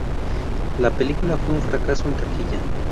La película fue un fracaso en taquilla.